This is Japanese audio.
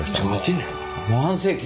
もう半世紀。